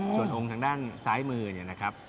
ส่วนองค์ทางด้านซ้ายมือเนี่ยนะครับ